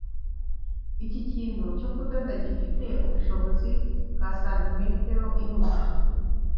Iki kintu cyo kudoda gifite ubushobozi bwa santimetero imwe